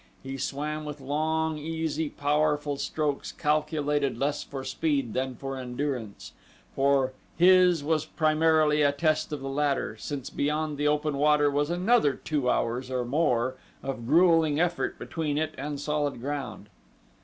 He swam with long, easy, powerful strokes calculated less for speed than for endurance, for his was, primarily, a test of the latter, since beyond the open water was another two hours or more of gruelling effort between it and solid ground.